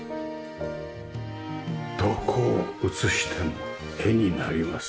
どこを映しても絵になります。